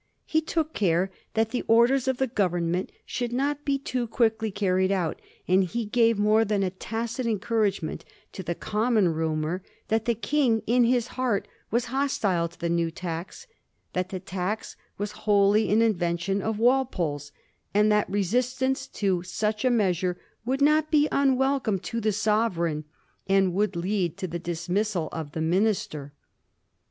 He took care that the orders^. cf the Government should not be too quickly carried out, and he gave more than a tacit encouragement to the common rumour that the King in his heart was hostile to the new tax, that the tax was wholly an invention of Walpole's, and that resistance to such a measure : would not be unwelcome to the Sovereign, and wouldi lead to the dismissal of the minister.